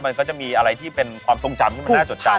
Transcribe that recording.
มันก็จะมีอะไรที่เป็นความทรงจำที่มันน่าจดจำ